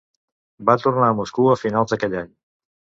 Va tornar a Moscou a finals d'aquell any.